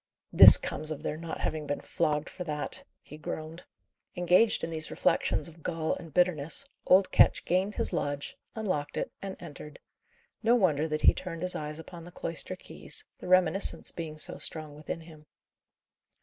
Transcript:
"This comes of their not having been flogged for that!" he groaned. Engaged in these reflections of gall and bitterness, old Ketch gained his lodge, unlocked it, and entered. No wonder that he turned his eyes upon the cloister keys, the reminiscence being so strong within him.